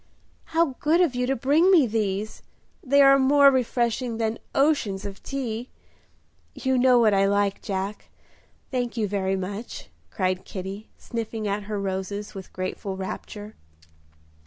"How good of you to bring me these! They are more refreshing than oceans of tea. You know what I like, Jack; thank you very much" cried Kitty, sniffing at her roses with grateful rapture.